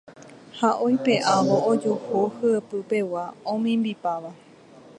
Ha oipe'ávo ojuhu hyepypegua omimbipáva.